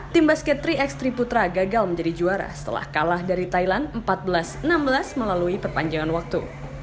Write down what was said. tim basket tiga x tiga putra gagal menjadi juara setelah kalah dari thailand empat belas enam belas melalui perpanjangan waktu